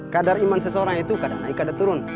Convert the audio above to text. kadar iman seseorang itu kadang naik kada turun